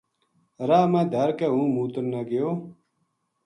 راہ ما دھر کے ہوں موتن نا گیو